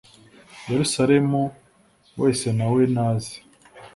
yerusalemu wese nawe naze